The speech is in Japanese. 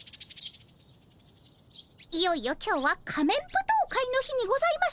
いよいよ今日は仮面舞踏会の日にございます。